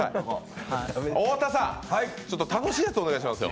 太田さん、ちょっと楽しいやつお願いしますよ。